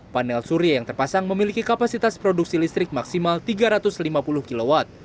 panel surya yang terpasang memiliki kapasitas produksi listrik maksimal tiga ratus lima puluh kw